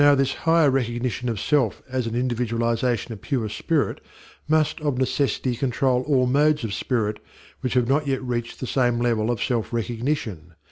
Now this higher recognition of self as an individualization of pure spirit must of necessity control all modes of spirit which have not yet reached the same level of self recognition.